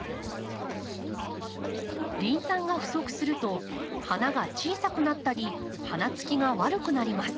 リン酸が不足すると花が小さくなったり花つきが悪くなります。